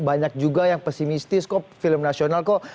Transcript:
banyak juga yang pesimistis kok film nasional kok